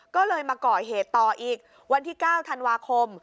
ก็เลยมาก่อเหตุต่ออีกวันที่๙ธันวาคม